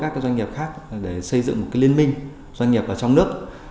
và kết nối các doanh nghiệp khác để xây dựng một cái liên minh doanh nghiệp ở trong nước